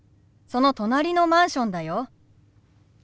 その隣のマンションだよ。